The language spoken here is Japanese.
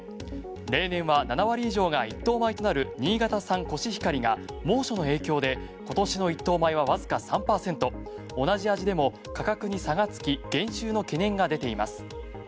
例年は７割以上が一等米となる新潟産コシヒカリが猛暑の影響で今年の１等米はわずか３％同じ味でも価格に差がつき減収の懸念が出ています。